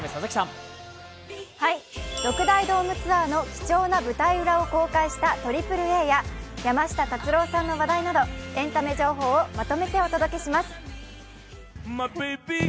６大ドームツアー貴重な映像を公開したＡＡＡや山下達郎さんの話題などエンタメ情報をまとめてお届けします。